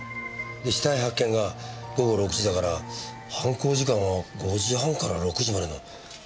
で死体発見が午後６時だから犯行時間は５時半から６時までの約３０分間か。